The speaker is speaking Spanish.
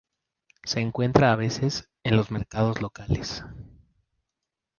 Se encuentra, a veces, en los mercados locales.